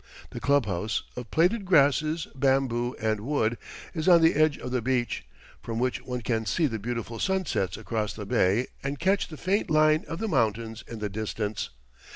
The clubhouse, of plaited grasses, bamboo and wood, is on the edge of the beach, from which one can see the beautiful sunsets across the bay and catch the faint line of the mountains in the distance.